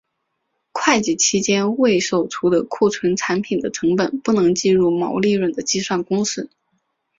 会计期内未售出的库存产品的成本不能计入毛利润的计算公式。